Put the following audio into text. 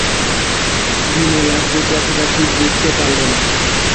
বিমলা এ কথাটা ঠিক বুঝতে পারলে না।